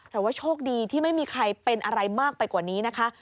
แต่ว่าโชคดีที่ไม่มีใครเป็นอะไรมากไปกว่านี้นะคะ